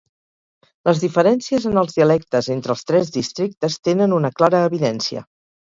Les diferències en els dialectes entre els tres districtes tenen una clara evidència.